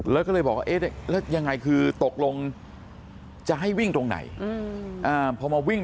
แล้วก็เลยบอกว่าเอ๊ะแล้วยังไงคือตกลงจะให้วิ่งตรงไหนพอมาวิ่ง